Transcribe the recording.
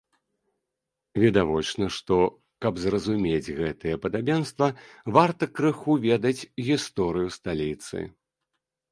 Відавочна, што, каб зразумець гэтае падабенства, варта крыху ведаць гісторыю сталіцы.